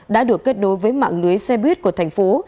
đã được kết nối với mạng lưới xe buýt của thành phố